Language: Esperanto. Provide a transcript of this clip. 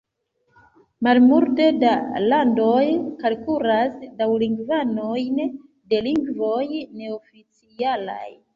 Malmulte da landoj kalkulas dualingvanojn de lingvoj neoficialaj.